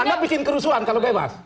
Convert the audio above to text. anda bikin kerusuhan kalau bebas